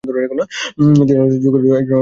তিনি আলোকিত যুগের একজন অন্যতম চিন্তাবিদ।